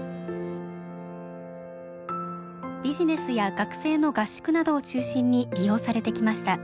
ビジネスや学生の合宿などを中心に利用されてきました。